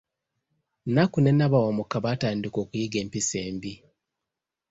Nnakku ne Nabawamuka baatandika okuyiga empisa embi.